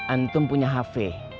antum punya hp